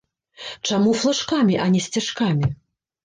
Чаму флажкамі, а не сцяжкамі?